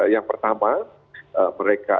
yang pertama mereka